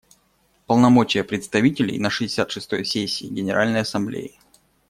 Полномочия представителей на шестьдесят шестой сессии Генеральной Ассамблеи.